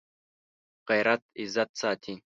غیرت عزت ساتي